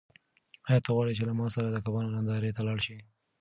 آیا ته غواړې چې له ما سره د کبانو نندارې ته لاړ شې؟